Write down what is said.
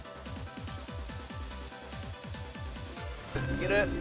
いける。